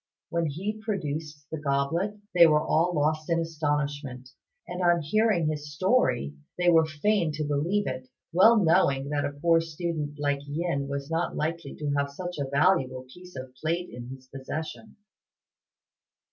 When he produced the goblet they were all lost in astonishment; and on hearing his story, they were fain to believe it, well knowing that a poor student like Yin was not likely to have such a valuable piece of plate in his possession.